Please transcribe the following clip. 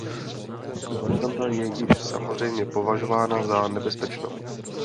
Tato varianta je již samozřejmě považována za nebezpečnou.